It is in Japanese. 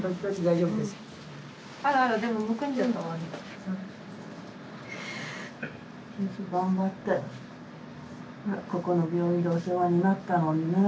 よく頑張ってここの病院でお世話になったもんね。